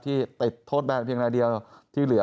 ที่ติดโทษแบนเพียงรายเดียวที่เหลือ